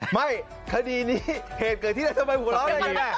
ไม่คดีนี้เหตุเกิดที่ไหนทำไมหัวเราะอย่างนี้